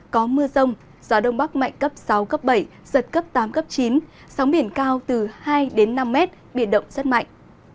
có mưa rông gió đông bắc mạnh cấp sáu bảy giật cấp tám chín sóng biển cao từ hai năm m biển động rất mạnh